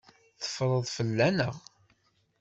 Teffreḍ fell-aneɣ.